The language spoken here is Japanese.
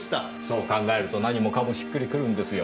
そう考えると何もかもしっくりくるんですよ。